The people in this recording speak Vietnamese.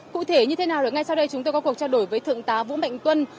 cụ thể như thế nào ngay sau đây chúng tôi có cuộc trao đổi với thượng tá vũ mạnh tuân